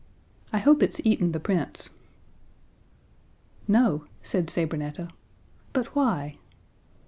"I hope it's eaten the Prince." "No," said Sabrinetta. "But why?"